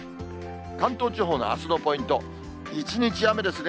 関東地方のあすのポイント、一日雨ですね。